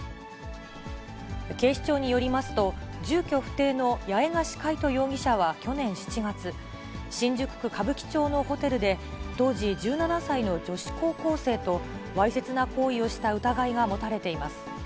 警視庁によりますと、住居不定の八重樫海渡容疑者は去年７月、新宿区歌舞伎町のホテルで、当時１７歳の女子高校生とわいせつな行為をした疑いが持たれています。